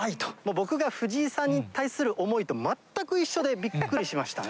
僕が藤井さんに対する思いと全く一緒で、びっくりしましたね。